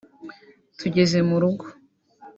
tugeze mu rugo